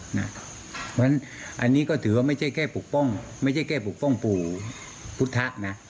เพราะฉะนั้นอันนี้ก็ถือว่าไม่ใช่แค่ปกป้องไม่ใช่แค่ปกป้องปู่พุทธนะ